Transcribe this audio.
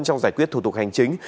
trong giải quyết thủ tục hành chính